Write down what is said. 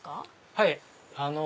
はい。